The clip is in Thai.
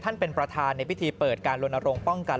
ท่านเป็นประธานในพิธีเปิดการลงโป้งกัน